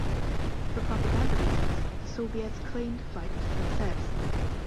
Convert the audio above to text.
For propaganda reasons the Soviets claimed the flight was a success.